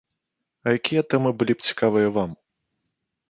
А якія тэмы былі б цікавыя вам?